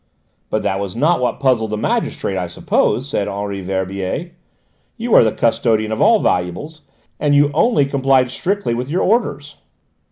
"But that was not what puzzled the magistrate I suppose," said Henri Verbier. "You are the custodian of all valuables, and you only complied strictly with your orders."